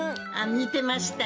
見てましたよ。